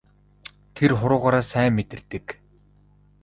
Тэр хуруугаараа сайн мэдэрдэг.